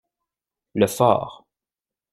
Le fort.